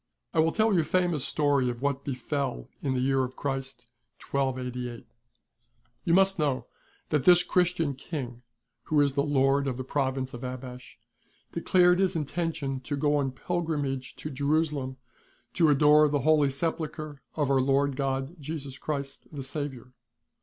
^ I will tell you a famous story of what befel in the year of Christ, 1288. You must know that this Christian King, who is the Lord of the Province of Abash, declared his intention to go on pilgrimage to Jerusalem to adore the Holy Sepulchre of Our Lord God Jesus Christ the Saviour.